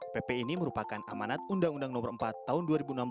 pp ini merupakan amanat undang undang no empat tahun dua ribu enam belas